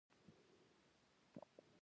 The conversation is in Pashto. ښارونه د چاپیریال ساتنې لپاره ډېر مهم دي.